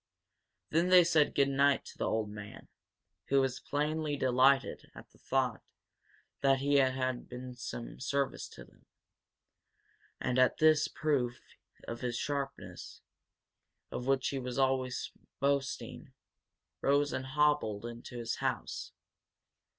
Then they said good night to the old man, who, plainly delighted at the thought that he had been of some service to them, and at this proof of his sharpness, of which he was always boasting, rose and hobbled into his house.